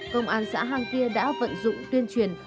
công an xã hàng kia đã vận dụng tuyên truyền